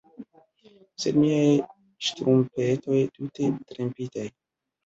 Sed miaj ŝtrumpetoj, tute trempitaj